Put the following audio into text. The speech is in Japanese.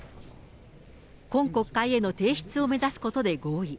今国会への提出を目指すことで合意。